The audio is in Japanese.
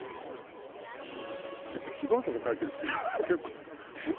結構ひどいこと書いてる人いる。